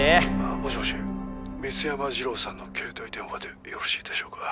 あもしもし美津山二郎さんの携帯電話でよろしいでしょうか？